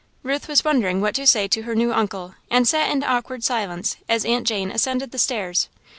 Ruth was wondering what to say to her new uncle and sat in awkward silence as Aunt Jane ascended the stairs.